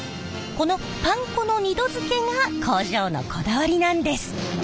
このパン粉の２度づけが工場のこだわりなんです！